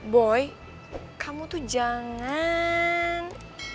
boy kamu tuh jangan